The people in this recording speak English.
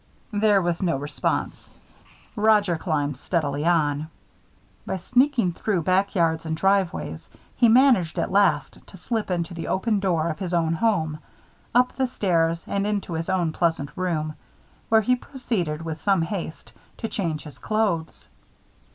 There was no response. Roger climbed steadily on. By sneaking through backyards and driveways, he managed at last to slip into the open door of his own home, up the stairs, and into his own pleasant room, where he proceeded, with some haste, to change his clothes.